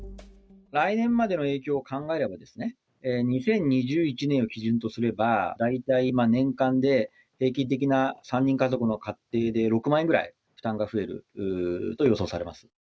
来年までの影響を考えれば、２０２１年を基準とすれば、大体、年間で平均的な３人家族の家庭で６万円ぐらい負担が増えると予想されます。